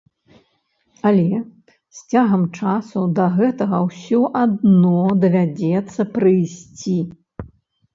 Але з цягам часу да гэтага ўсё адно давядзецца прыйсці.